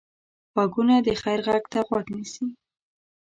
غوږونه د خیر غږ ته غوږ نیسي